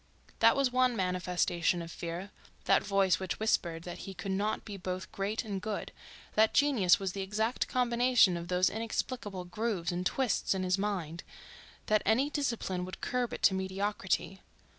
That was one manifestation of fear, that voice which whispered that he could not be both great and good, that genius was the exact combination of those inexplicable grooves and twists in his mind, that any discipline would curb it to mediocrity.